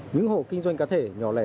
những hộ kinh doanh cá thể nhỏ lẻ